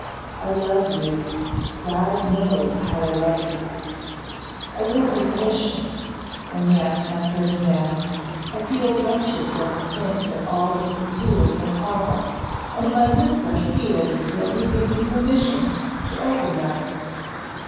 I love you; God knows how I love you. I will be patient; and yet, my Ferdinand, I feel wretched when I think that all is concealed from papa, and my lips are sealed until you give me permission to open them.